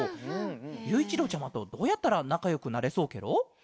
ゆういちろうちゃまとどうやったらなかよくなれそうケロ？